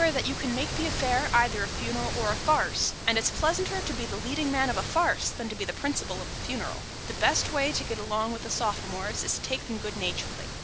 Remember that you can make the affair either a funeral or a farce; and it's pleasanter to be the leading man in a farce than to be the principal at a funeral. The best way to get along with Sophomores is to take them good naturedly.